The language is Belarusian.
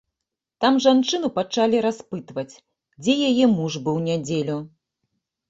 Там жанчыну пачалі распытваць, дзе яе муж быў у нядзелю.